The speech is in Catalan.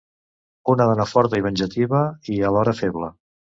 Una dona forta i venjativa i, alhora, feble.